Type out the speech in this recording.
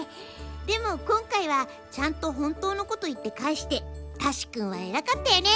でも今回はちゃんと本当のこと言ってかえしてタシくんはえらかったよね。